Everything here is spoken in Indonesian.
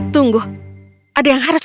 tunggu ada yang harus